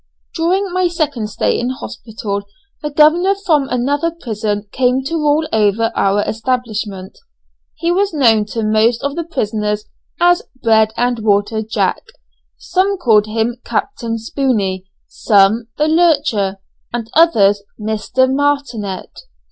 During my second stay in hospital the governor from another prison came to rule over our establishment. He was known to most of the prisoners as "Bread and Water Jack," some called him "Captain Spooney," some "the Lurcher," and others "Mr. Martinet."